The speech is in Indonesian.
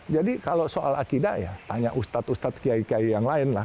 jadi kalau soal akidah ya tanya ustadz ustadz kiai kiai yang lain lah